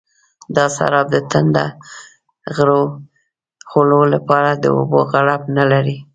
دا سراب د تنده غرو خولو لپاره د اوبو غړپ نه لري.